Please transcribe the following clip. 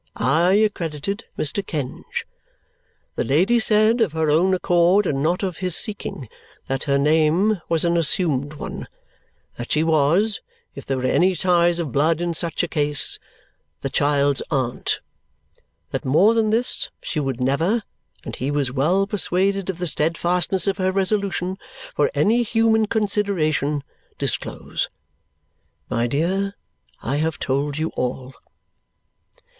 I accredited Mr. Kenge. The lady said, of her own accord and not of his seeking, that her name was an assumed one. That she was, if there were any ties of blood in such a case, the child's aunt. That more than this she would never (and he was well persuaded of the steadfastness of her resolution) for any human consideration disclose. My dear, I have told you all."